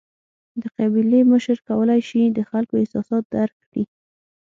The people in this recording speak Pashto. د قبیلې مشر کولای شي د خلکو احساسات درک کړي.